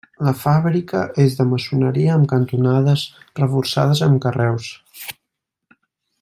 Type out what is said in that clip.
La fàbrica és de maçoneria amb cantonades reforçades amb carreus.